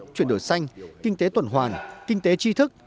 chuyển đổi xanh kinh tế tuần hoàn kinh tế tri thức